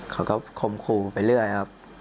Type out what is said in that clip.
เขาก็คมคู่ไปเรื่อยครับ